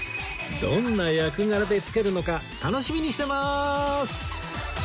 どんな役柄でつけるのか楽しみにしてます！